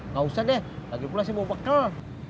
gak usah deh lagi pula sih mau bekal